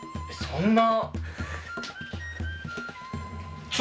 そんな。